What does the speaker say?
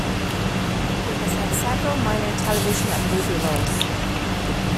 He has had several minor television and movie roles.